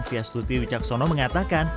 fyastuti wicaksono mengatakan